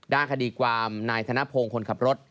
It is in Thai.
ด้านคดีความนายธนพงศ์คนขับรถ